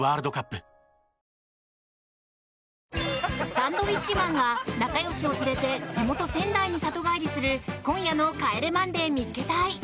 サンドウィッチマンが仲良しを連れて地元・仙台に里帰りする今夜の「帰れマンデー見っけ隊！！」。